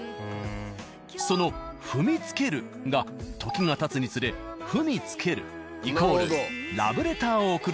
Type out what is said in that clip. その「踏みつける」が時がたつにつれ「文つける」イコール「ラブレターを送る」